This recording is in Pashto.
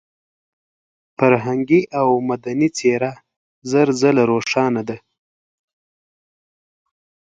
فرهنګي او مدني څېره زر ځله روښانه ده.